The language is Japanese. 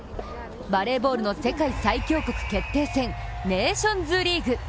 バレーボールの世界最強国決定戦ネーションズリーグ。